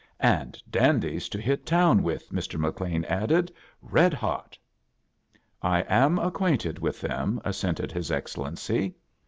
" And dandies to hit townwith,"Mr.McLeanadded. "Redhot." " I am acquainted with them," assented his Excellency.